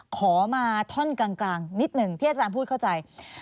ขอมาท่อนกลางนิดหนึ่งที่อาจารย์พูดเข้าใจ